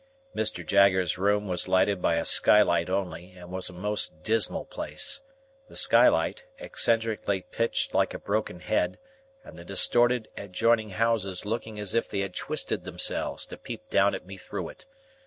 Mr. Jaggers's room was lighted by a skylight only, and was a most dismal place; the skylight, eccentrically pitched like a broken head, and the distorted adjoining houses looking as if they had twisted themselves to peep down at me through it.